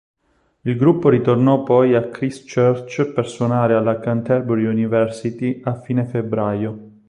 Il gruppo ritornò poi a Christchurch per suonare alla Canterbury University a fine febbraio.